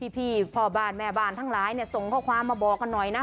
พี่พ่อบ้านแม่บ้านทั้งหลายส่งข้อความมาบอกกันหน่อยนะ